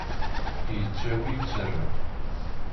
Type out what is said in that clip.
Yettawi, yettarra.